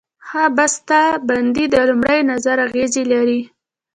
ښه بسته بندي د لومړي نظر اغېز لري.